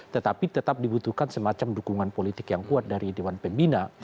tetapi tetap dibutuhkan semacam dukungan politik yang kuat dari dewan pembina